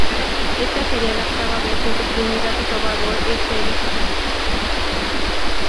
Esta sería la octava vez en que Trinidad y Tobago es sede.